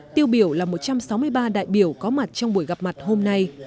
tiêu biểu là một trăm sáu mươi ba đại biểu có mặt trong buổi gặp mặt hôm nay